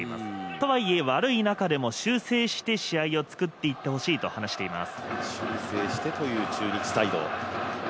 とはいえ悪い中でも修正して試合を作っていってほしいと話しています。